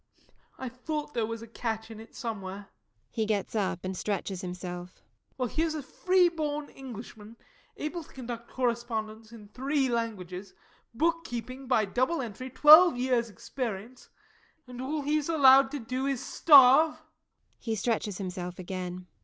I thought there was a catch in it, somewhere. [He gets up and stretches himself.] Well, here's a free born Englishman, able to conduct correspondence in three languages, bookkeeping by double entry, twelve years' experience and all he's allowed to do is to starve. [_He stretches himself again.